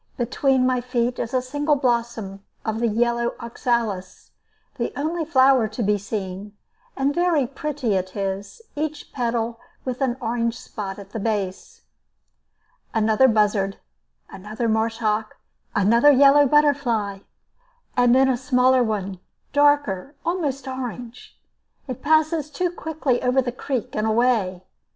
Between my feet is a single blossom of the yellow oxalis, the only flower to be seen; and very pretty it is, each petal with an orange spot at the base. Another buzzard, another marsh hawk, another yellow butterfly, and then a smaller one, darker, almost orange. It passes too quickly over the creek and away.